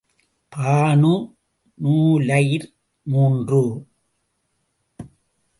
Banu நுலைர் மூன்று.